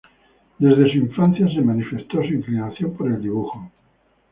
Desde su infancia se manifestó su inclinación por el dibujo.